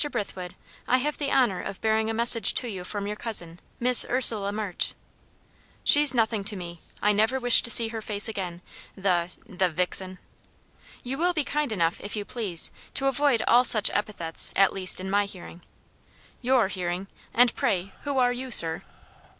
Brithwood, I have the honour of bearing a message to you from your cousin Miss Ursula March." "She's nothing to me I never wish to see her face again, the the vixen!" "You will be kind enough, if you please, to avoid all such epithets; at least, in my hearing." "Your hearing! And pray who are you, sir?"